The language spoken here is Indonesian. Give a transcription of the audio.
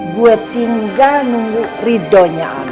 gua tinggal nunggu ridhonya aja